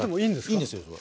いいんですよそれ。